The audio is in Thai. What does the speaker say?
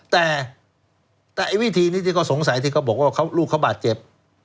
แต่ไอ้วิธีนี้ที่เขาสงสัยที่เขาบอกว่าลูกเขาบาดเจ็บ